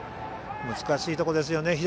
難しいところですよね。